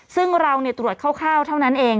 ซึ่งเราตรวจคร่าวเท่านั้นเอง